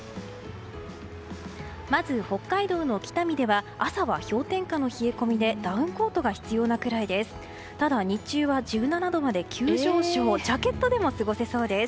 まず北海道の北見では朝は氷点下の冷え込みでダウンコートが必要なくらいです。